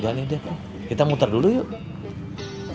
gak ada kita muter dulu yuk